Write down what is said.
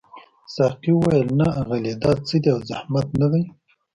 ساقي وویل نه اغلې دا څه دي او زحمت نه دی.